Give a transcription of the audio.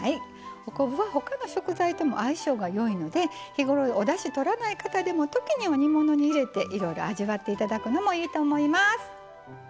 お昆布はほかの食材とも相性がよいので日頃おだしとらない方でも時には煮物に入れていろいろ味わっていただくのもいいと思います。